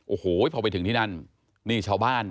โอ้โหพอไปถึงที่นั่นนี่ชาวบ้าน